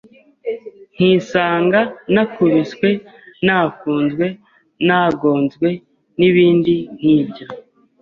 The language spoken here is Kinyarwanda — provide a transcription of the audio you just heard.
nkisanga nakubiswe nafunzwe, nagonzwe n’ibindi nk’ibyo